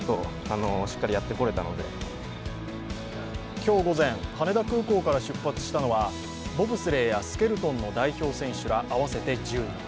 今日午前、羽田空港から出発したのはボブスレーやスケルトンの代表選手ら合わせて１０人。